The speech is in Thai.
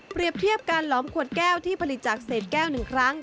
เปรียบเทียบกันหลอมขวดแก้วที่ผลิตจากเศษแก้วหนึ่งครั้ง